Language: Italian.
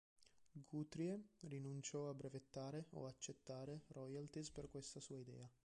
Guthrie rinunciò a brevettare o accettare royalties per questa sua idea.